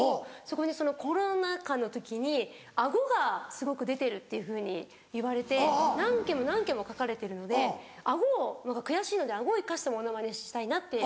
そこにコロナ禍の時に顎がすごく出てるっていうふうにいわれて何件も何件も書かれてるので顎を悔しいので顎を生かしたモノマネしたいなって。